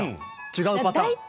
違うパターン。